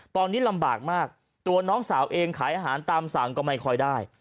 ตอนนี้ลำบากมากตัวน้องสาวเองขายอาหารตามสั่งก็ไม่ค่อยได้